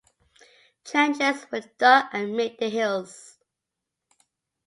Trenches were dug amid the hills.